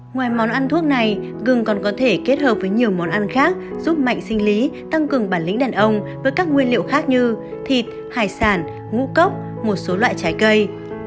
ngoài món ăn thuốc này gương còn có thể kết hợp với nhiều món ăn khác giúp mạnh sinh lý tăng cường bản lĩnh đàn ông với các nguyên liệu khác như thịt hải sản ngũ cốc một số loại trái cây